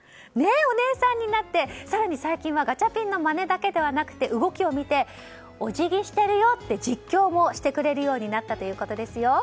お姉さんになって更に最近はガチャピンのまねだけではなく動きを見て、お辞儀してるよって実況もしてくれるようになったということですよ。